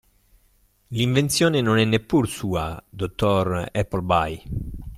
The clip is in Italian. L'invenzione non è neppur sua, dottor Appleby.